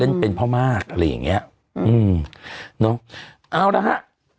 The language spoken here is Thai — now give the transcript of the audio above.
เป็นพ่อมากอะไรอย่างเงี้ยอืมเนอะเอาละฮะ